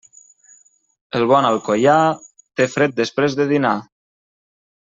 El bon alcoià... té fred després de dinar.